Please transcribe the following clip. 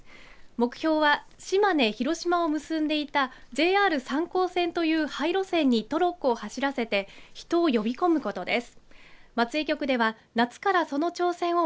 目標は島根、広島を結んでいたＪＲ三江線を廃路線にトロッコを走らせて人を呼び込むことです。